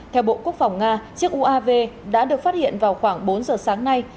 theo bộ quốc phòng nga chiếc uav đã được phát hiện vào khoảng bốn giờ sáng nay